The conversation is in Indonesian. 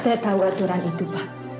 saya tahu aturan itu pak